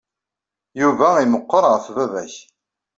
Yuba i meqqer ɣef baba-k.